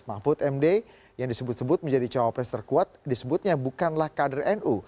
mahfud md yang disebut sebut menjadi cawapres terkuat disebutnya bukanlah kader nu